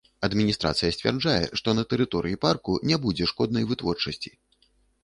Адміністрацыя сцвярджае, што на тэрыторыі парку не будзе шкоднай вытворчасці.